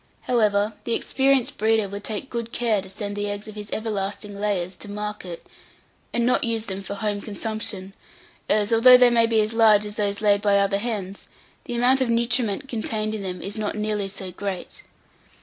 However, the experienced breeder would take good care to send the eggs of his everlasting layers to market, and not use them for home consumption, as, although they may be as large as those laid by other hens, the amount of nutriment contained in them is not nearly so great.